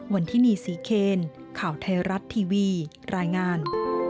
วันที่นี่ศรีเคนข่าวไทยรัฐทีวีรายงาน